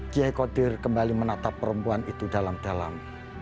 kiai kodir kembali menatap perempuan itu dalam dalam